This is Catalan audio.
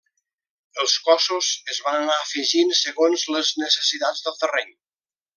Els cossos es van anar afegint segons les necessitats del terreny.